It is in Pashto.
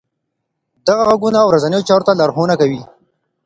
دغه غږونه ورځنیو چارو ته لارښوونه کوي.